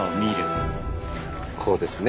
こうですね。